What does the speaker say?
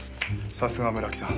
さすが村木さん。